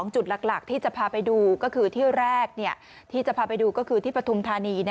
จุดหลักที่จะพาไปดูก็คือที่แรกที่จะพาไปดูก็คือที่ปฐุมธานี